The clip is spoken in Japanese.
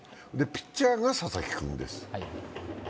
ピッチャーが佐々木君です。